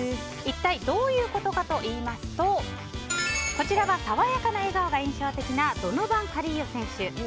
一体どういうことかといいますとこちらは爽やかな笑顔が印象的なドノバン・カリーヨ選手。